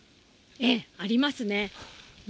ええ、ありますね。